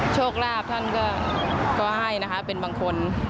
โชคลาภท่านก็ให้นะคะเป็นบางคน